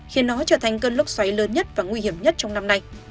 khiến nó trở thành cơn lốc xoáy lớn nhất và nguy hiểm nhất trong năm nay